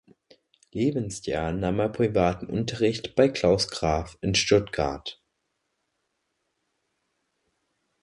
Lebensjahr nahm er privaten Unterricht bei Klaus Graf in Stuttgart.